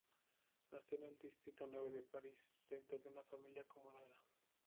Nació en el distrito nueve de París, dentro de una familia acomodada.